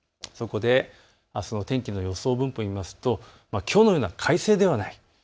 あすの天気の予想分布を見ますときょうのような快晴ではない。